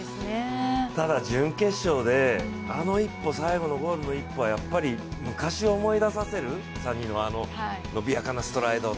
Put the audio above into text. ただ、準決勝であの最後のゴールの一歩をやっぱ昔を思い出させるサニのあの伸びやかなストライド。